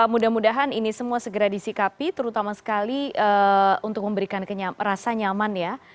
mudah mudahan ini semua segera disikapi terutama sekali untuk memberikan rasa nyaman ya